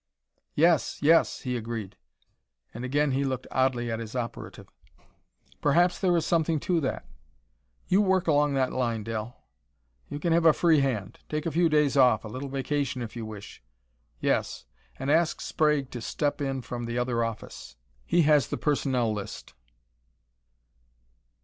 "Yes, yes!" he agreed, and again he looked oddly at his operative. "Perhaps there is something to that; you work along that line, Del: you can have a free hand. Take a few days off, a little vacation if you wish. Yes and ask Sprague to step in from the other office; he has the personnel list."